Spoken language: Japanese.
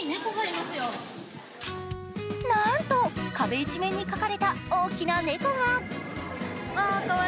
なんと壁一面に描かれた大きな猫が。